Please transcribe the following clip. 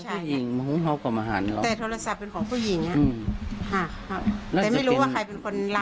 ผู้หญิงเหมาะกับมาหาแล้วแต่โทรศัพท์เป็นของผู้หญิงอ่ะแต่ไม่รู้ว่าใครเป็นคนไลน์อ่ะ